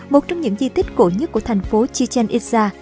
một trong những di tích cổ nhất của thành phố chichen itza